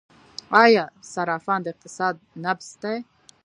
آیا صرافان د اقتصاد نبض دي؟